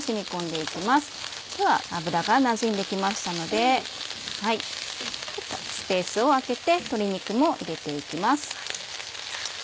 では油がなじんで来ましたのでちょっとスペースをあけて鶏肉も入れて行きます。